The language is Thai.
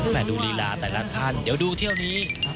ดูลีลาแต่ละท่านเดี๋ยวดูเที่ยวนี้